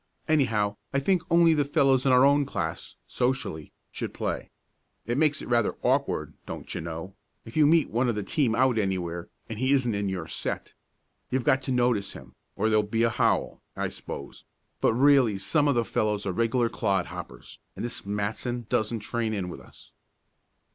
Anyhow I think only the fellows in our own class socially should play. It makes it rather awkward, don't you know, if you meet one of the team out anywhere, and he isn't in your set. You've got to notice him, or there'd be a howl, I s'pose; but really some of the fellows are regular clod hoppers, and this Matson doesn't train in with us."